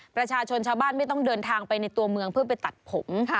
ประชาชนชาวบ้านไม่ต้องเดินทางไปในตัวเมืองเพื่อไปตัดผม